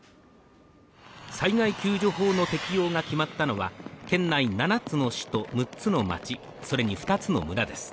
災害救助法の適用が決まったのは県内７つの市と６つの町、それに２つの村です。